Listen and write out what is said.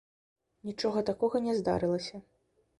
Нічога такога не здарылася.